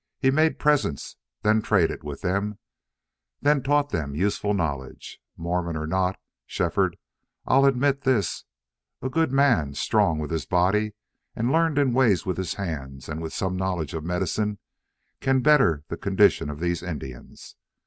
He made presents, then traded with them, then taught them useful knowledge. Mormon or not, Shefford, I'll admit this: a good man, strong with his body, and learned in ways with his hands, with some knowledge of medicine, can better the condition of these Indians.